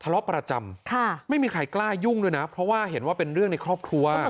ประจำไม่มีใครกล้ายุ่งด้วยนะเพราะว่าเห็นว่าเป็นเรื่องในครอบครัว